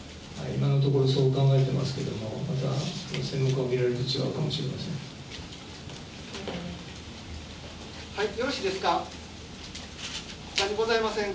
今のところ、そう考えてますけれども、あとは専門家の方が見られると違うかもしれません。